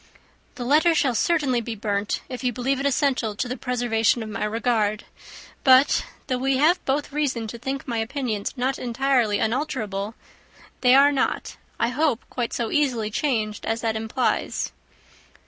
"The letter shall certainly be burnt, if you believe it essential to the preservation of my regard; but, though we have both reason to think my opinions not entirely unalterable, they are not, I hope, quite so easily changed as that implies."